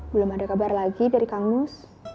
belum ada kabar lagi dari kamus